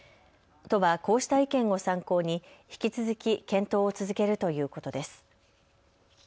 都はこうした意見を参考に引き続き検討を続けるということです。